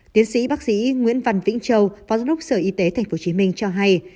tiến sĩ bác sĩ nguyễn văn vĩnh châu phó giám đốc sở y tế tp hcm cho hay